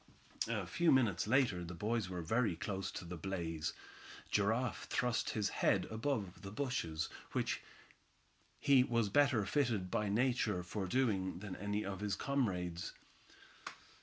A few minutes later, and the boys were very close to the blaze. Giraffe thrust up his head above the bushes, which he was better fitted by Nature for doing than any of his comrades.